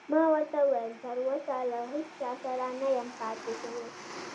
ما ورته وویل: تراوسه له هیڅ چا سره نه یم پاتې شوی.